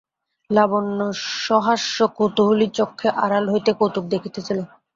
লাবণ্য সহাস্যকুতূহলী চক্ষে আড়াল হইতে কৌতুক দেখিতেছিল।